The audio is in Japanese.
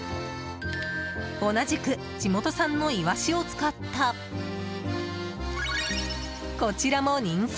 同じく地元産のイワシを使ったこちらも人気！